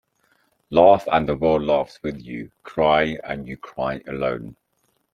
Laugh and the world laughs with you. Cry and you cry alone.